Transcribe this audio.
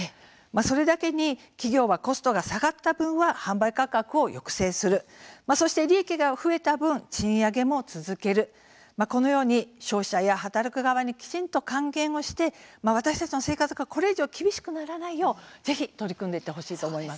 それだけに企業はコストが下がった分は販売価格を抑制する、そして利益が増えた分賃上げも続ける、このように消費者や働く側にきちんと還元をして私たちの生活がこれ以上厳しくならないようぜひ取り組んでいってほしいと思います。